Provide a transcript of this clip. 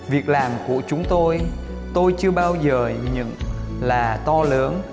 việc làm của chúng tôi tôi chưa bao giờ nhận là to lớn